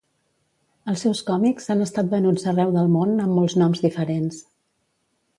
Els seus còmics han estat venuts arreu del món amb molts noms diferents.